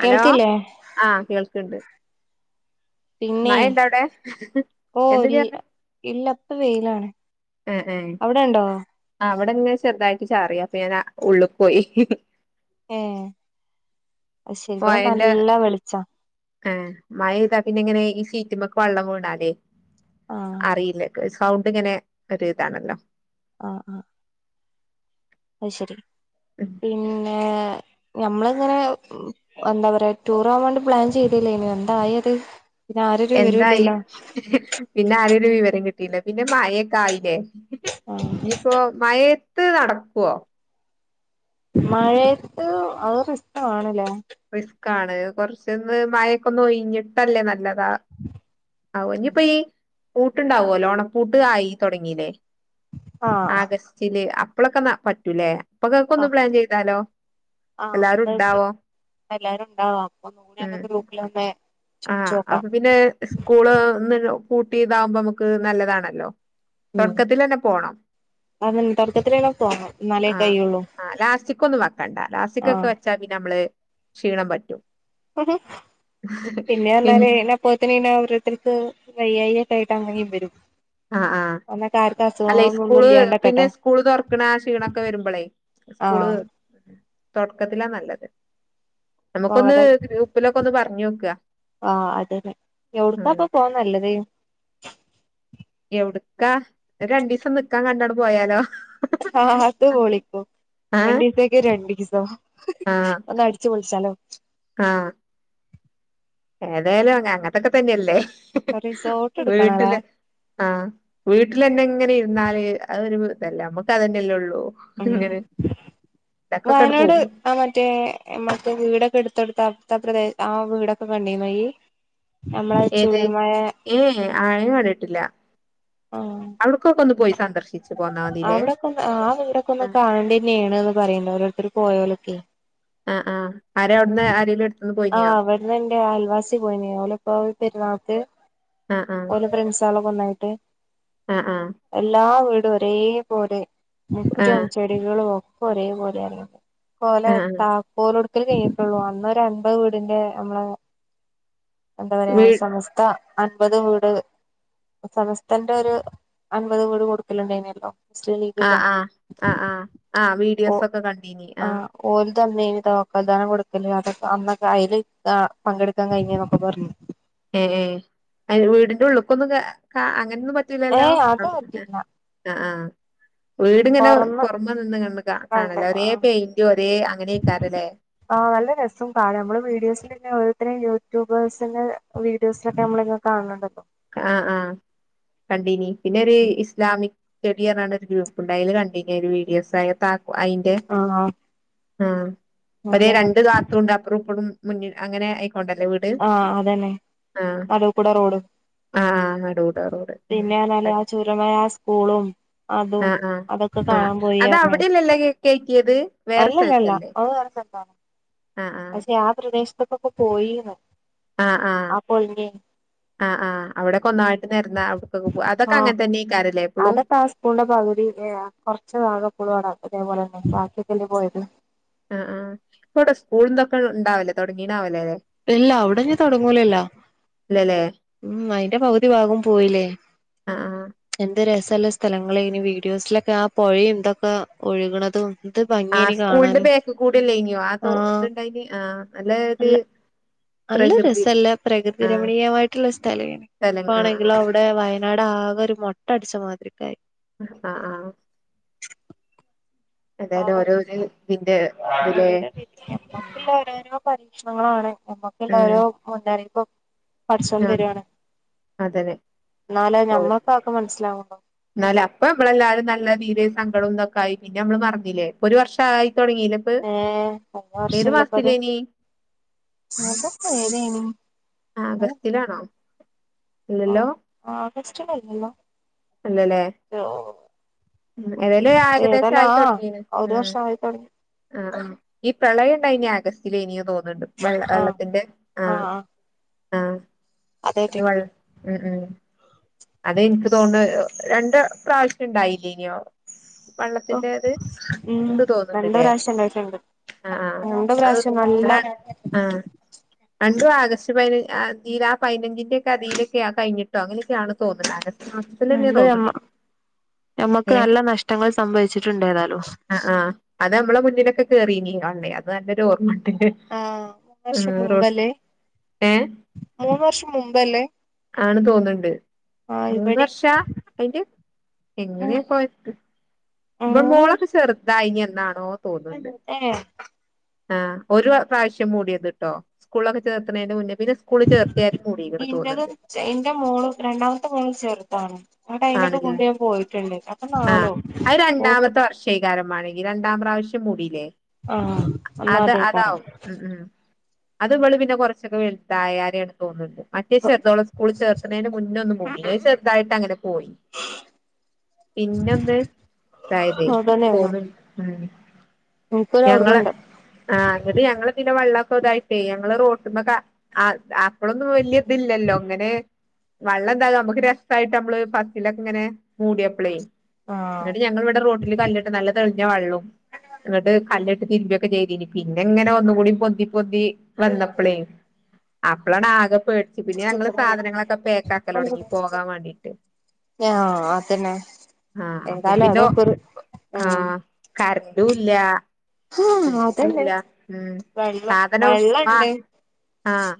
Hello കേൾക്കില്ലേ ആഹ കേൾക്കണ്ട് പിന്നെ മഴ ണ്ട ടെ ഓ എന്താ ഇല്ല ജർഞ്ഞെ ഇല്ല ഇപ്പ വെയിലാണ് എ എ അവിടെ ഉണ്ടോ അ അവിടെെ ചെറുതായിട്ടി ചാറിയ അപ്പൊ ഞാ ഉള്ളക്ക് പോയി ഏ അ ശരിബടെ നല്ല വെളിച്ചാ ആഹ മഴ ഇതാ പിന്നെ ഇങ്ങനെ ഈ സീറ്റിമ്മക്ക് വെള്ളം വീണാലെ ആഹ് അറിയില്ല സൗണ്ട്ങ്ങനെ ഒരു ഇതാണല്ലോ ആ ആ അഹ് ശരി പിന്നെ ഞമ്മളിങ്ങനെ എന്താ പറയാ ടൂർ ആവോണ്ട് പ്ലാൻ ചെയ്തല്ലേ ഇനി എന്തായി അത് എന്തായി പിന്നെ ആര ഒരു വിവരം കിട്ടിയില്ല പിന്നെ മയക്കേ ആയിലേ ആഹ് ഇഞ്പ്പോ മയയത്ത് നടക്വോ മഴയത്ത് അത് റിസ്കാണ്ലെ റിസ്ക്ക ആണ് കൊറച്ചൊന്ന് മഴൊക്കൊ ഒന്ന് ഒഴഞ്ഞിട്ടല്ലേ നല്ലതാ ആ ഇനിയിപ്പോ ഈ പൂട്ടുണ്ടാവ ലോ ഓണപ്പൂട്ട് ആയി തുടങ്ങീല്ലേ ആഹ് ആഗസ്റ്റില് അപ്പഴൊക്കെ പറ്റൂലേ അപ്പ കേക്കൊ ന്ന് പ്ലാൻ ചെയ്താലോ ആ എല്ലാരും അപ്പക്കെ ഉണ്ടാവോ എല്ലാരും ഉണ്ടാവാ അപ്പൊ ങ്ങനെ അങ്ങെ ഗ്രൂപ്പല് ഒന്ന് ആ ചോദിച്ചു നോക്കാം അപ്പൊ പിന്നെ സ്കൂള്ന്ന് കൂട്ടി ഇതാവുമ്പോ നമുക്ക് നല്ലതാണല്ലോ തൊടക്കത്തിലെന്നെ പോണം അത തൊടക്കിതിലെന്നെ പോണം എന്നന്നാലേ കയുള്ളൂ ലാസ്റ്റിക് ഒന്നും വെക്കണ്ട ലാസ്റ്റിക്ക് ഒക്കെ വെച്ചാ പിന്നെ നമ്മള് ക്ഷീണം പറ്റും പിന്നെ പിൻ പറഞ്ഞാല് അയ്ന് അ പോത്തനീനെഓരോരോതാർക്ക് വയ്യായിക്കായിട്ട് അങ്ങനേും വരും ആ ആ അന്നൊക്കെ ആർക്കും അല്ലെ അസുഖങ്ങളൊന്നും ഒന്നും സ്കൂള് പിന്നെ ഇല്ലാണ്ടക്കട്ടെ സ്കൂള് തുറക്കണ ക്ഷീണൊക്കെ വരുമ്പളേ സ്കൂള് ആഹ് തുടക്കത്തിലാ നല്ലത് നമുക്കൊന്ന് ഗ്രൂപ്പിലൊക്കെ ഒന്ന് പറഞ് നോക്ക ആ അതല്ലെ എവിടുക്കാപ്പൊ പോവാ നല്ലത് എവിടക്കാ രണ്ടു ദിവസം നിക്കാൻ കണ്ടങ്ങട്ട് പോയാലോ ആ അത പൊളിക്കും ആഹ് രണ്ടീസങ്കിൽ രണ്ടീസം ആഹ് ഒന്ന് അടിച്ചു പൊളിച്ചാലോ ആഹ് ഏതായാലും അ അങ്ങനത്തൊക്കെ തന്നെയല്ലേ റിസോർട്ട് എടുക്കണല്ലേ വീട്ടില് ആ വീട്ടിൽന്നെ ഇങ്ങനെ ഇരുന്നാല് അതൊരു രസാഅല്ല നമ്മക്ക് അതന്നെയല്ല ഉള്ളൂ ഉം ഇങ്ങനെ ഇടക്കൊക്കെണ്ട് വയനാട് പോകും ആ മറ്റേ മക്ക വീടൊക്കെ എടുത്ത് കൊടുത്താ എടുത്ത് ആ വീടൊക്കെ കണ്ടിനോ ഇയ് ഏത് ഏ ഏ ആഴെ കണ്ടട്ടില്ല ആ സന്ദർശിച്ചു പോന്നാ മതില്ലേ അവിടെക്ക ഒന്ന് ആ വീടൊക്കെ ഒന്ന് കാണേണ്ടത് തന്നെയാണ്ന്ന് പറയുന്നു ഓരോരുത്തരും പോയോലൊക്കെ ആഹ് ആഹ് ആരാ അവിടുന്ന് ആരേലും എടുത്തുന്ന് ആ പോയിനിയോ അവിടന്ന് എന്റെ ആൽവാസി പോയിന് ഓലെപ്പോ പെര്ന്ന ക്ക്‌ ആഹ് ആഹ് ഓല ഫ്രണ്ട്സ് ആള് ഒന്നായിട്ട് ആഹ് എല്ലാ വീട് ഒരേ പോലെ മുറ്റോം ആഹ് ചെടികളും ഒക്കെ ഒരേ പോലെ ആയിരുന്ന് പോലെ ആഹ് ആഹ് താക്കോല് കൊടുക്കല് കഴിഞ്ഞിട്ടുള്ളൂ അന്നൊ ഒരു അൻപത് വീടിന്റെ നമ്മളെ എന്താ പറയാ വീ സമസ്ത അൻപത് വീട് സമസ് തന്റെ ഒരു അൻപത് വീട് കൊടുക്കലുണ്ടേനല്ലോ മുസ്ലിം ലീഗിന്റെ ആഹ് ആഹ് ആഹ് ആഹ് ആഹ് ഓ വീഡിയോസൊക്കെ കണ്ടീനി ആ ആഹ് ഓല് ത്ത മേബി താക്കോൽദാനം കൊടുക്കല് അതൊക്ക എന്നൊക്ക ആ ഏത് ആ പങ്കെടുക്കാൻ കഴിഞ്ഞന്നൊക്കെ പറഞ്ഞു ഏ ഏ അയ്‌ന് വീടിന്റെ ഉള്ളക്കൊന്ന് കേ കാ ആ അങ്ങനൊന്നും പറ്റുലല്ലോ ഏഹ് അത് അവിടനിന്ന് പറ്റില്ല ആ ആ വീടിങ്ങനെ പൊറമെ പുറമെ നിന്ന് കണ്ണ് കാ കാണല്ലേ കണ്ടത് ഒരേ ആഹ് പെയിന്റ് ഒരേ അങ്ങനെക്കരല്ലേ ആ നല്ല രസവും കാണ നമ്മള് വീഡിയോസിൽന്നെ ഇത്രയും യൂട്യൂബേഴ്സിന്റെ വീഡിയോസിലൊക്കെ നമ്മള ഇങ്ങനെ കാണണ്ണ്ട് ആ ആ കണ്ടീനി പിന്നെ ഒരു ഇസ്ലാമിക് സ്സ്റ്റടിപറഞ്ഞോണ്ട് ഒരു ഗ്രൂപ്പ്ണ്ട് അതില് കണ്ടിനി ഒരു വീഡിയോസ് ആല് തക്കോ അയിന്റെ ആഹ് ആ ഒരെ അതന്നെ രണ്ട് താർത്തുണ്ട് അപ്രോ ഇപ്പറും മുന്നിൽ അങ്ങനെ ഏക് കൊണ്ടാല്ലേ വീട് ആഹ് അതന്നെ ആ നടൂക്കൂടെ റോഡും ആ നടൂട റോട് ഉം പിന്നെ പറഞ്ഞാല് ആ [unintelligible] ചുരമായ ആ സ്കൂളും അതും ആ ആ അതൊക്കെ ആ കാണാൻ പോയി അത് പറഞ്ഞേ അവിടെല്ലല്ല കേ കേറ്റിയത് വേറെ അല്ലല്ലല്ല സ്ഥലത്തല്ലേ [unintelligible] പക്ഷെ ആ പ്രദേശത്തൊക്കൊക്കെ പോയിന്ന് പറഞ് അപ്പോ ഇങ്കെ ആ ആ ആവിടെക്കൊന്നായിട്ട് നേരന്ന അവിടക്കൊക്കെ പോ അതൊക്കെ ആഹ് അങ്ങനെ തന്നെ ഇക്കാരല്ലേ ഇപ്പോഴും പിന്നെ ആ കുറച്ച് ഭാകക്കൊളൊള്ളു അവടെ അതേപോലെ തന്നെ ബാക്കിക്കെല്ലേ പോയത് ആ ആ ഇപ്പോ അവിടെ സ്കൂൾഇന്തൊക്കെ ഉണ്ടാവല്ലേ തുടങ്ങീണ്ടാവിലേല്ലേ ഇല്ല അവിട ഞ്ഞി തുടങ്ങൂലല്ലോ ഇല്ലല്ലേ ഉം അയിന്റെ പകുതി ഭാഗം പോയില്ലേ ആഹ് ആഹ് എന്ത് രസ് പല സ്ഥലങ്ങളെ ഇനി വീഡിയോസിലൊക്കെ ആ പൊഴയും ഇതൊക്ക ഒഴുക്ണതും ആ സ്കൂളിന്റെ ബേക്ക് കൂടല്ലാഇഞ്ഞോ ആ തോ ആഹ് ഇത്ണ്ടായിന് ആ നല്ലഒര് നല്ല നല്ല രസല്ലേ ആ പ്രകൃതി രമണീയമായിട്ടുള്ള സ്ഥലെ സ്ഥലം ഇപ്പ ആഹ് ആണെങ്കിലും അവിടെ വയനാട് ആ അകേ ഒരു മൊട്ടടിച്ച മാതിരിക്കായി ആ ആ ഏതായാലും പാവം ഓരോര് ഇതിന്റെ ഇതിലെ ഓരോരോ രീതി നമ്മക്കുള്ള ഓരോരോ പരീക്ഷണങ്ങളാണ് നമ്മക്കുള്ള ഉം ഓരോ മുന്നറിയിപ്പ് പടച്ചോൻ ആഹ് തരുവാണ് അതന്നെ എന്നാല ഞമ്മൾക്കതക്കെ മനസ്സിലാ എന്നാലേ അപ്പൊ നമ്മള് എല്ലാരും നല്ല തില് സങ്കടംന്നൊക്കെ ആയി പിന്നെ നമ്മള് മറന്നില്ലേ ഒരു വർഷ ആയ് ഏ ഒരുവർഷല്ലപ്പ അത് മാസത്തിലേനി അതിപ്പ ഏതനി ആഗസ്റ്റിലാണോ ആ ഇല്ലല്ലോ ആഗസ്റ്റ് ആല്ലാല്ലോ അല്ലല്ലേ ഒരു ഉം ഏതായലും ഒരു ഏകദേശം ആയിത്തൊടങ്ങിയന് ആ ഒരു ഉം വർഷം ആയി തുടങ്ങി ആ ആ ഈ പ്രളയം ഉണ്ടായിനി ആഗസ്റ്റില ഇനി തോന്നുന്നുണ്ട് വെള്ള ആ വെള്ളത്തിന്റെ ആ ആഹ ആ ആ അത് അതായിട്ട് വെള്ള ഉം ഉം അത് എനിക്ക് തോന്നു രണ്ട് പ്രാവശ്യം ഇണ്ടായില്ലേന്യോ വെള്ളത്തിന്റെ ഇത് ഉം ഉണ്ട് രണ്ട് തോന്നുന്നുണ്ടല്ലേ പ്രാവശ്യം ഉണ്ടായിട്ടുണ്ട് ആ രണ്ട് അത് പ്രാവശ്യം നല്ല അത ആ രണ്ടും ആഗസ്റ്റ് പതിന അതിൽ ആ പതിനഞ്ചിന്റെ ഒക്കെ അതിയിലൊക്കെ കഴിഞ്ഞിട്ടോ അങ്ങനെയൊക്കെയാണ് തോന്നില്ല അഗസ്റ്റ് മാസത്തിന്നെയ രണ്ട് നമ്മ തോന്നണ്ടീ നമ്മക്ക് ഏ നല്ല നഷ്ടങ്ങൾ സംഭവിച്ചിട്ടുണ്ട് ഏതാലും ആ ആ് അത് നമ്മളെ മുന്നിലൊക്കെ കേറീനീ അത് നല്ലൊരു ഓർമ്മണ്ട് ആ മൂന്ന് വർഷം ആഹ് റോ മുമ്പ ഏ ആണ് തോന്നണ്ട് ആ മൂന്ന് ഇവിടെയും വർഷാ അതിന്റെ ഉം എങ്ങനെയാ പോയത് മൂന്ന് മോളൊക്കെ ചെറുതായി എന്നാണോ തോന്നുന്നത് ഏ ആ ഒരു പ്രാവശ്യം മൂടിയത് ട്ടോ സ്കൂളൊക്കെ ചേർത്തുന്നാണെനു മുന്നേ സ്കൂളിൽ ചേർത്തിയാരേം മുഡീക്ക്ണ് ഇന്റത് തോന്നുണ്ട്. എന്റെ മോള് രണ്ടാമത്തെ മോള് ചെറുതാണ് എന്നിട്ട് അയിനൊക്കെ ആണല്ലേ കൊണ്ട് ഞാൻ പോയിട്ടുണ്ട് അപ്പൊ ആഹ നാലോ അത് ഓക്ക് രണ്ടാമത്തെ വർഷായ്കാരം മാണെങ്കിൽ രണ്ടാം പ്രാവശ്യ മൂടില്ലേ ആ എന്നാ അത് അതേക്കാരം അതാവും ഉ ഉ അത് നമ്മള് പിന്നെ കുറച്ചൊക്കെ വെൽ തയരെ ആണെന്ന് തോന്നുണ്ട്. മറ്റേ ചെറുോം [unintelligible] സ്കൂള ചേർുന്നതിന് മുന്നേ ഒന്ന് മൂടി ചെറുതായിട്ട്ങ്ങനെ പോയി പിന്നൊന്ന് അതായതെ അതന്നെയാണ് പോന്ന ഉം എനിക്കൊരു ഞങ്ങളെ ഓർമ്മണ്ട് ആ എന്നിട്ട് ഞങ്ങൾ വെ ള്ളം തായിട്ടേ ഞങ്ങള് റോട്ടന്ന് അ അപ്പളൊന്നും വലിയ ഇതില്ലല്ലോ അങ്ങനെ വെള്ളം ന്താകും നമുക്ക് രസായിട്ട് നമ്മള് ഫസ്റ്റിലൊക്കെ ഇങ്ങനെ മൂടിയപ്പളേും ആഹ് എന്നങ്ങിട്ട് ഞങ്ങൾിവിടെ റോട്ടിൽ കല്ലി ട്ട് നല്ല തെളിഞ്ഞ വെള്ളവും എന്നിട്ട് കല്ലിട്ട് തിരുമ്പി ചെയ്തിന് പിന്നെ ഇങ്ങനെ ഒന്നുകൂടി പൊന്തി പൊന്തി വന്നപ്പളെ അപ്പളാണ് ആകെ പേടിച്ചു പിന്നെ ഞങ്ങള്ൾ ആഹ് സാധനങ്ങളൊക്കെ പേക്ക് ആക്കലൊ ടങ്ങി പോകാൻ വേണ്ടിട്ട് ആഹ അതന്നെ ആഹ അപ്പൊ ഏതായാലും പിന്നെ ഒ അതൊക്കെ ഒരു ഉം ആഹ കറണ്ടുംലാ ആഹ് അതന്നെ ചുംല്ല മ് വെള്ളം സാധനം ആ വെള്ളണ്ട് ആഹ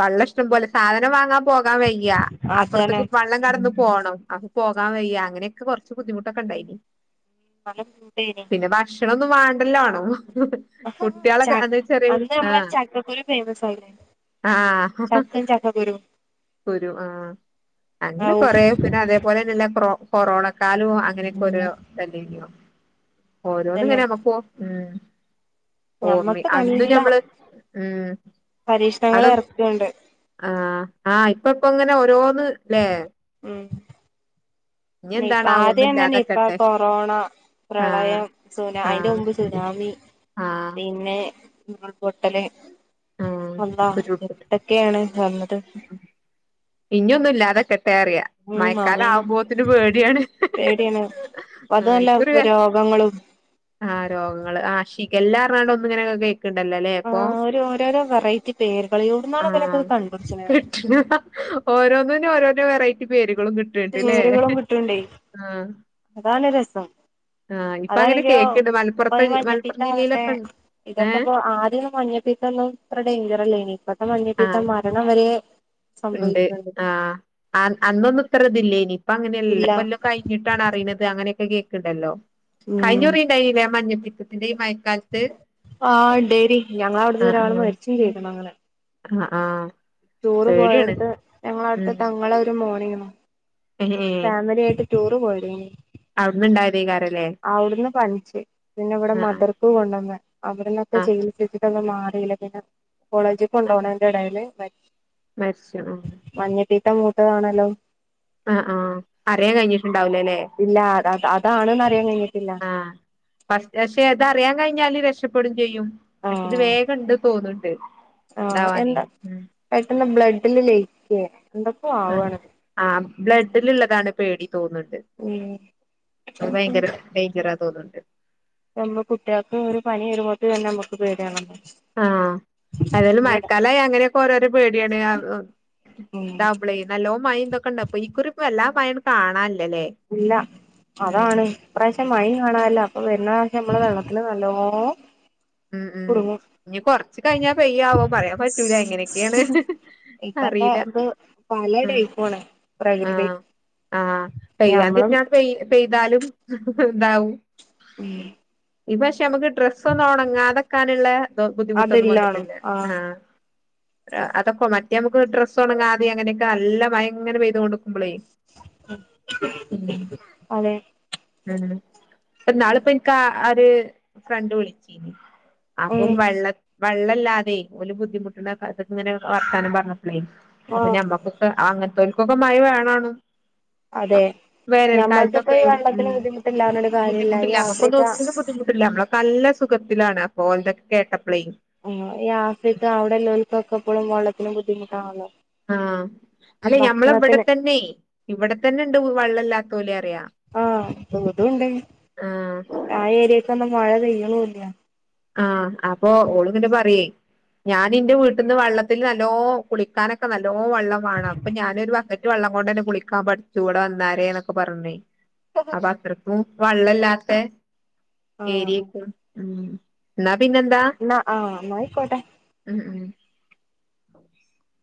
വള്ള ശ് പോലെ സാധനം വാങ്ങാൻ പോകാൻ വയ്യാ അതന്നെ അപ്പുറത്തേക്ക് വെള്ളം കടന്നു പോണം പോകാൻ വയ്യ അങ്ങനെയൊക്കെ കുറച്ച് ബുദ്ധിമുട്ടൊക്കെ ഉണ്ടായിന് [unintelligible] ഭക്ഷണ ഒന്ന് വാണ്ടല്ല ആണും ച കുട്ടികളൊക്കെ അന്ന് ചെറിയ അന്ന് ആ നമ്മളെ ചക്കക്കുരു ഫേമസ് ആയില്ലേ ആ ഹ ഹ ചക്കയും ചക്കക്കുരുവും കുരു ആ അങ്ങനെകൊർ ഔ കൊറ പിന്നെ അതേപോലെ തന്നെ കൊറോണക്കാലോ അങ്ങനെയൊക്കെ ഒഓോ ഇ തന്നോ അതന്നെ ഓരോന്നുംങ്ങനമുക്കും മ് ഓർമ്മി ഞമ്മക്ക് അന്ന് നല്ല ഞമ്മള് ഉം പരീക്ഷണങ്ങൾ അതും ഇറക്കുന്നുണ്ട് ആ ആഹ് ഇപ്പ ഇപ്പ ഇങ്ങനെ ഓരോന്ന്ല്ലേ ഉം ഇപ്പ എന്താണാവോ ഒന്നും ആദ്യം തന്നെ ഇപ്പ ഇല്ലാതെക്കട്ടെ കൊറോണ ആഹ് പ്രളയം സുന അയിറെ ആഹ് മുമ്പ് സുനാമി ആഹ് പിന്നെ നിങ്ങൾ പൊട്ടലെ ആഹ് വന്നാ ഉരുൾപൊട്ട് എന്തൊക്കെയാണ് വന്നത് ഇനൊന്നും ഇല്ലാതെക്കെട്ടെറിയാ ഉം മയക്കാലം മാമിം ആകുമ്പോത്തിന് പേടിയാണ് പേടിയാണ് അതുമല്ല രോഗങ്ങളും ആഹ രോഗങ്ങള് ആ ഷിഗ ല്ലാറിഞ്ഞാണ്ട് ഒന്ന ഇങ്ങനെൊക്കെ കേക്കണ്ടല്ലോ അല്ലേ ആ അപ്പൊ ഒരു ഓരോരോ വെറൈറ്റി പേരുകൾ ആ എവിടുന്നാണ് ഇവലൊക്കെ ഇത് കണ്ടുപിടിച്ച്ണെ [unintelligible] ഓരോന്ന് രോരോ വറൈറ്റി പേര് രുകളും കിട്ടുംണ്ടേ ആഹ് അതാണ് രസം ആഹ് ഇപ്പൊ അങ്ങനെ അതാണെങ്കോ കേക്ക്ണ്ട് മലപ്പുറത്തെ ഇ മഞ്ഞപ്പീത്ത മലപ്പുറം ആവട്ടെ ജില്ലയിലൊക്കെ ഇതൊക്കെ ഏഹ് ഇപ്പോ ആദ്യം മഞ്ഞപ്പീ ഇന്നും ഇത്ര ഡേഞ്ചർ അല്ലേ ഇനി ഇപ്പഴത്തെ മഞ്ഞപ്പീത്തംമാരണം വരെ ഉണ്ട് സംഭവിക്ക്ണ്ട് ആ് അന്നൊന്നും ഇത്രതില്ലേ ഇനി അപ്പൊ അങ്ങനെയല്ല ഇല്ല ഇപ്പ എല്ലോം കഴിഞ്ഞിട്ടാണ് അറിയുന്നത് അങ്ങനെയൊക്കെ കേൾക്കണ്ടല്ലോ. ഉം കൈഞ്ഞുറി ണ്ടായില്ലേ മഞ്ഞപ്പിത്തത്തിന്റെ ഈ മഴക്കാലത്ത് ആ ണ്ടേനി ഞങ്ങളെ വട്ന്നൊരാള് മരിച്ചും ചെയ്തീ ണങ്ങനെ ആ ആ ടൂർ പോയോട്തെ ഞങ്ങളട്ത്തെ തങ്ങളൊരു മോനെയ്ന്നു ഫാമില്യായിട്ട് ടൂർ പോയതേനു അവ്ട്ന്ന്ണ്ടായതേക്കാരല്ലേ അവ്ട്ന്ന് പനിച്ച് പിന്നെ വടെ ആഹ് മദർക്ക് കൊണ്ടന്ന് അവ്ട്ന്നൊക്കെ ആഹ് ചികിത്സിച്ചിട്ടൊന്നും മാറില്ല പിന്നെ കോളേജ്ക്ക് കൊണ്ടോണേന്റെടേല് മര് മര്ച്ച്ണ് ന്റെ മൂത്തതാണല്ലോ ആ ആ അറിയാൻ കഴിഞ് ഇല്ല അത അതാണ്ന്നറിയാൻ കൈഞ്ഞിട്ടില്ല പ പക്ഷെ അതറിയാൻ കഴിഞ്ഞാല് രക്ഷപ്പെടും ചെയ്യും പക്ഷെ ഇത് ആഹ് വേഗം ണ്ട് തോന്ന് ണ്ട് ണ്ടാവാനേ ഉം തില് ലൈക്കെ ആ ആ ബ്ലഡ് ഡില്ള്ളതാണ് പേടി തോന്ന്ണ്ട് ഉം ഭയങ്കര ഡൈഞ്ചറാ തോന്ന്ണ്ട് നമ്മ കുട്ട്യാൾക്ക് ഒരു പനി വരുമ്പോത്തിനെന്നെ മ്മക്ക് പേട്യാണ്ലോ ആഹ് ഏത്യാലും മയക്കാലായി അങ്ങനെക്കൊരോരോ പേടിയാണ് അ അ ഉം ഡബിൾ നല്ലോം മയി തൊക്കെണ്ടപ്പൊ ഇക്കുറി പ്പ വല്ലാ മഴണ്ട് കാണാ ല്ല അതാണ് പ്രാശ്യം മയിം കാണാല്ല അപ്പൊ വേ ന്നാ നമ്മളെ വെള്ളത്തില് നല്ലോം ഉം ഉം ഞ് കൊർച്ച് കഴിഞ്ഞാ പെയ്യാവോ പറിയാൻ പറ്റൂല എങ്ങനെക്കെണ് ഇപ്പത്തെ ത് പല ടൈപ്പുഅണ് പ്രകൃതി ആഹ് ആഹ് പെയ്യാൻ ഞമ്മളും തിര്ഞാൽ പെയ് പെയ്താലും ന്താവും ഉം ഈ പക്ഷെ മ്മക്ക് ഡ്രസ്സൊന്നും ഉണങ്ങാതെക്കാന്ള്ള ബുദ്ധിമുട്ടൊന്നും വന്നിട്ടില്ല. ആഹ് അതൊക്കെ മറ്റേ മ്മക്ക് ഡ്രസ്സ് ഉണങ്ങാതെ അങ്ങനൊക്കെ നല്ല മയങ്ങനെ പെയ്തോണ്ട്ക്കും മ്പളേ ഉം അതെ എഹ് ന്നാള്പ്പോ ഇന്ക്കാ ഒര് ഫ്രണ്ട് വിൾച്ചീനി ഉം അപ്പം വെള്ള വെള്ളല്ലാതെ ഓല് ബുദ്ധിമുട്ടണ കഥ ങ്ങനെ വർത്താനം പർഞ്ഞപ്പളേ അപ്പൊ ആഹ് ഞമ്മക്കൊക്കെ അങ്ങൻത്തോൽക്കൊക്കെ മഴ വേണാണും അതെ വേറൊരു ഞമ്മൾക്കിപ്പ കാൽത്തൊക്കെ ഈ ഉം വെള്ളത്തിന് ബുദ്ധിമുട്ടില്ലാഞ്ഞിട്ട് കാര്യല്ല ഈ ബുദ്ധിമുട്ടില്ല ആഫ്രിക്ക നമ്മക്ക്തോന്നിനും ബുദ്ധിമുട്ടില്ല നമ്മലൊക്കെ തല്ല സുഖത്തിലാണ് അപ്പോ ഓൽതൊക്കെ കേട്ട ആ ഈ ആഫ്രിക്ക അവ്ടെ ള്ളോൽക്കൊക്കെപ്പളും വള്ളത്തിന് ബുദ്ധിമുട്ടാണല്ലോ ആഹ് അല്ലെ ഞമ്മള ഭക്ഷണത്തിന് വടെത്തന്നെ ഇവിടെത്തന്നെണ്ട് വള്ളല്ലാത്തോൽ ആഹ് തുംതുണ്ട് ആഹ് ആ ഏരിയേക്കൊന്നും മഴ പെയ്യ് ണുല്ല ആഹ് അപ്പൊ ഓള് പിന്നെ പറ്യേ ഞാൻ ഇന്റെ വീട്ട്ന്ന് വെള്ളത്തിൽ നല്ലോം കുളിക്കാനൊക്കെ നല്ലോം ഓവള്ളം വാണം പ്പൊ ഞാനൊരു ബക്കറ്റ് വള്ളം കൊണ്ടെന്നെ കുളിക്കാൻ പഠിച്ചു വടെ വന്നാരേ ന്നൊക്കെ പറഞ്ഞ് അപ്പൊ അത്രക്കുംവെള്ളല്ലാത്ത ആഹ് ഏരിയക്കെ ക്കും അങ്ങനെ പിന്നെന്താ എന്നാ ആഹ് എന്നായിക്കോട്ടെ ഉം ഉം [inaudible]